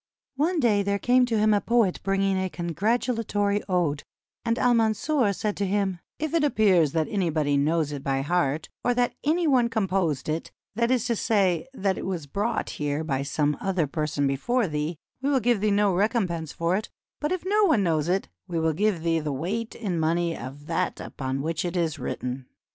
One day there came to him a poet bringing a con gratulatory ode, and Al Mansur said to him: "If it aj> pears that anybody knows it by heart, or that any one composed it, — that is to say, that it was brought here by some other person before thee, — we will give thee no recompense for it ; but if no one knows it, we will give thee the weight in money of that upon which it is written."